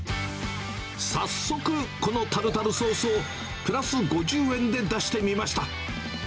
早速、このタルタルソースをプラス５０円で出してみました。